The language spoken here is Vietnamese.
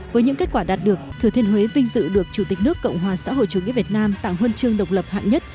với những kết quả đạt được thừa thiên huế vinh dự được chủ tịch nước cộng hòa xã hội chủ nghĩa việt nam tặng huân chương độc lập hạng nhất